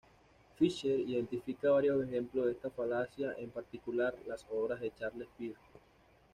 Fischer identifica varios ejemplos de esta falacia, en particular las obras de Charles Beard.